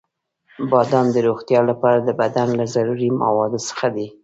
• بادام د روغتیا لپاره د بدن له ضروري موادو څخه دی.